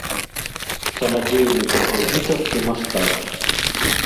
Самадзейны кампазітар і мастак.